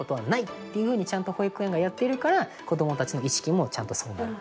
っていうふうにちゃんと保育園がやっているから子どもたちの意識もちゃんとそうなる。